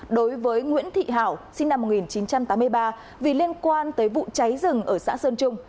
đối với nguyễn thị hảo sinh năm một nghìn chín trăm tám mươi ba vì liên quan tới vụ cháy rừng ở xã sơn trung